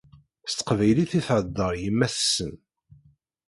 S teqbaylit i theddeṛ yemma-tsen.